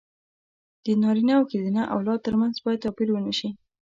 د نارينه او ښځينه اولاد تر منځ بايد توپير ونشي.